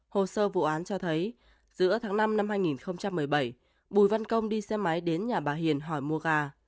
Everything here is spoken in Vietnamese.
hồ sơ vụ án cho thấy giữa tháng năm năm hai nghìn một mươi bảy bùi văn công đi xe máy đến nhà bà hiền hỏi mua gà